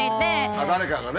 誰かがね？